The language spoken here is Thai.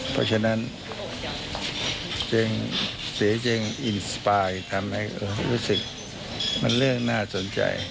เพราะฉะนั้นสีจริงทำให้รู้สึกมันเรื่องน่าสนใจ